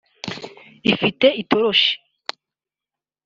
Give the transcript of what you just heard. ifite itoroshi